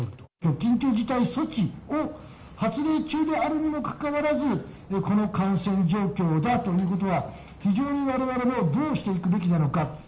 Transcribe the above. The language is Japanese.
緊急事態措置を発令中であるにもかかわらず、この感染状況だということは、非常にわれわれもどうしていくべきなのか。